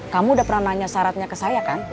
kamu udah pernah nanya syaratnya ke saya kan